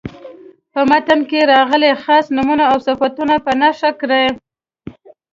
په متن کې راغلي خاص نومونه او صفتونه په نښه کړئ.